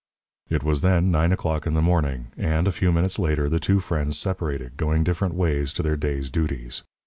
It was then nine o'clock in the morning and, a few minutes later, the two friends separated, going different ways to their day's duties.